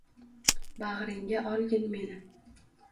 Bag’ringga olgin meni.